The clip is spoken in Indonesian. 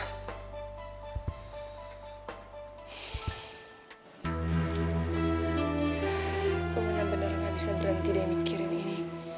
gue bener bener gak bisa berhenti deh mikirin ini